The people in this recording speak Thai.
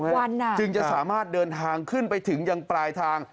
เกือบวันน่ะจึงจะสามารถเดินทางขึ้นไปถึงยังปลายทาง